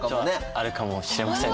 あるかもしれませんね。